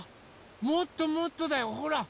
もっともっとだよほら。